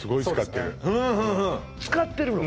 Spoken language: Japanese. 使ってるの？